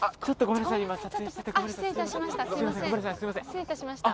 失礼いたしました。